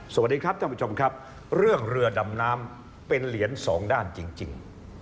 สวัสดีครับท่านผู้ชมครับเรื่องเรือดำน้ำเป็นเหรียญสองด้านจริง